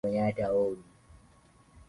nawapata wenyewe hao india na pakistani